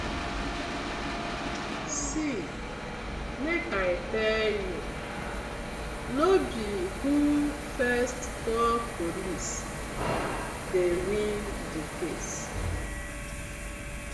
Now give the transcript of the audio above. See mek I tell you be who first call Police dey win the case,